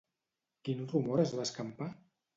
Quin rumor es va escampar?